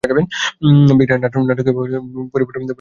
বিক্রিয়ার হার নাটকীয়ভাবে পরিবর্তিত হতে পারে।